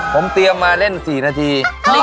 ผมเตรียมมาเล่น๔นาที